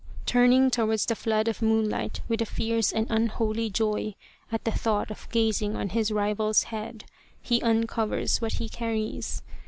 Turning towards the flood of moonlight with a fierce and unholy joy at the thought of gazing on his rival's head, he uncovers what he carries.